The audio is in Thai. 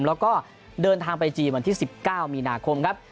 แล้วก็เดินทางไปจีนวันที่๑๙มีนาคมครับ